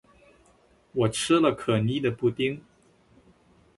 我吃了可妮的布丁